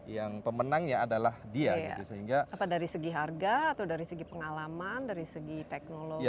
yang pemenangnya adalah dia ya apa dari segi harga atau dari segi pengalaman dari segi teknologi